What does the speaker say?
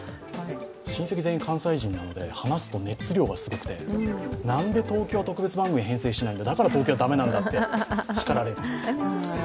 親戚全員、関西人なので、話すと熱量がすごくてなんで東京特別番組編成しないんだだから東京はだめなんだってしかられます。